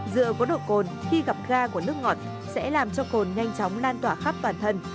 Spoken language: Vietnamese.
dựa có độ cồn khi gặp ga của nước ngọt sẽ làm cho cồn nhanh chóng lan tỏa khắp toàn thân